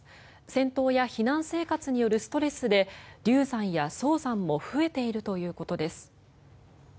戦闘や避難生活によるストレスで流産や早産も増えているということです。